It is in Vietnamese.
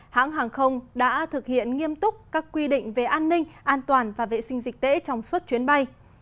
hãng hàng không đã thực hiện nghiêm túc các quy định về an ninh an toàn và vệ sinh dịch tễ trong suốt chuyến bay